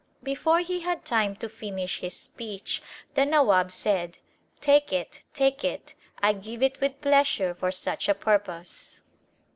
Before he had time to finish his speech the Nawab said, " Take it, take it. I give it with pleasure for such a purpose."